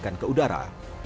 atau semakan ke udara